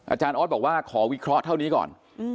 อาจารย์ออสบอกว่าขอวิเคราะห์เท่านี้ก่อน